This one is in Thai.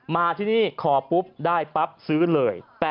มาที่นี่ขอปุ๊บได้ปั๊บซื้อเลย